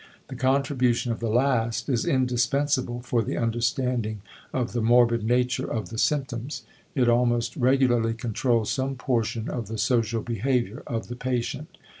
The contribution of the last is indispensable for the understanding of the morbid nature of the symptoms; it almost regularly controls some portion of the social behavior of the patient.